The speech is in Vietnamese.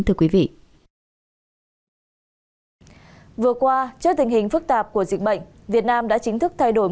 vừa qua trước tình hình phức tạp của dịch bệnh việt nam đã chính thức thay đổi